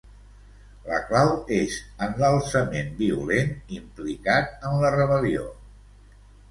La clau és en lalçament violent implicat en la rebel·lió.